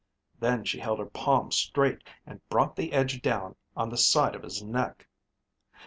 Then she held her palm straight and brought the edge down on the side of his neck.